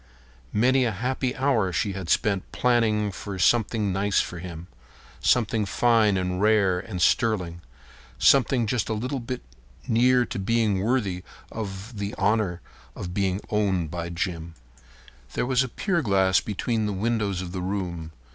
Many a happy hour she had spent planning for something nice for him. Something fine and rare and sterling—something just a little bit near to being worthy of the honor of being owned by Jim. There was a pier glass between the windows of the room.